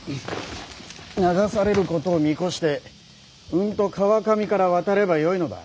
流されることを見越してうんと川上から渡ればよいのだ。